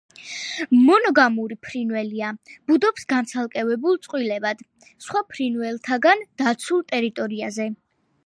მონოგამური ფრინველია, ბუდობს განცალკევებულ წყვილებად სხვა ფრინველთაგან დაცულ ტერიტორიაზე.